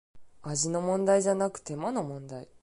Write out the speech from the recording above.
味の問題じゃなく手間の問題